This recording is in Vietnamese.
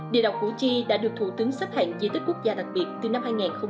địa đạo củ chi đã được thủ tướng xếp hạng di tích quốc gia đặc biệt từ năm hai nghìn một mươi